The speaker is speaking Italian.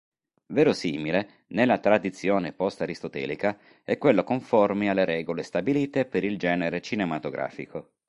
Verosimile, nella tradizione post-aristotelica, è quello conforme alle regole stabilite per il genere cinematografico.